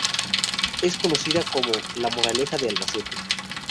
Es conocida como "La Moraleja de Albacete".